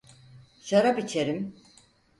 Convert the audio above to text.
Şarap içerim…